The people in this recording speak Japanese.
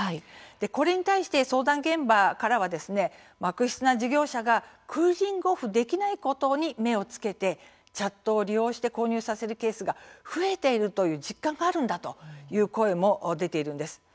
これに対して相談現場からは悪質な事業者がクーリング・オフができないことに目をつけてチャットを利用して購入させるケースが増えている実感があるんだという声も出ているんです。